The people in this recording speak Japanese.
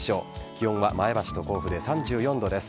気温は前橋と甲府で３４度です。